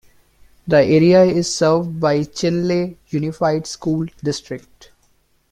The area is served by Chinle Unified School District.